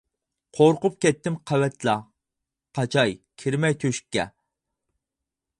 قورقۇپ كەتتىم قەۋەتلا، قاچاي، كىرمەي تۆشۈككە.